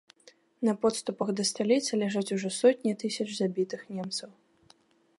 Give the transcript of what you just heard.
На подступах да сталіцы ляжаць ужо сотні тысяч забітых немцаў.